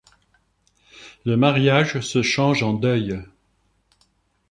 Le mariage se change en deuil.